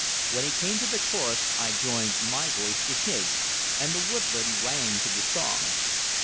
When he came to the chorus I joined my voice to his, and the woodland rang to the song.